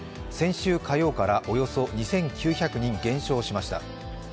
先週火曜からおよそ２９００人減少しました。